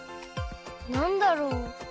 なんだろう？